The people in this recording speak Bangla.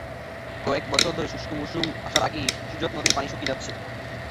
কয়েক বছর ধরে শুষ্ক মৌসুম আসার আগেই শিজক নদের পানি শুকিয়ে যাচ্ছে।